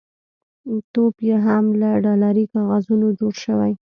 ټوپ یې هم له ډالري کاغذونو جوړ دی.